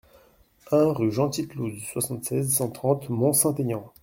un rue Jean Titelouze, soixante-seize, cent trente, Mont-Saint-Aignan